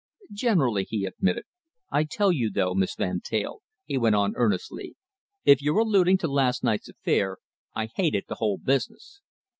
"Generally," he admitted. "I tell you, though, Miss Van Teyl," he went on earnestly, "if you're alluding to last night's affair, I hated the whole business.